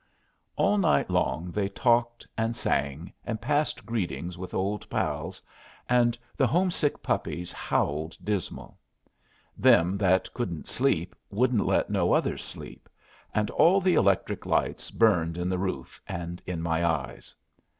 All night long they talked and sang, and passed greetings with old pals, and the homesick puppies howled dismal. Them that couldn't sleep wouldn't let no others sleep, and all the electric lights burned in the roof, and in my eyes.